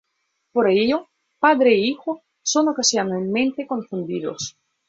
Por ello, padre e hijo son ocasionalmente confundidos.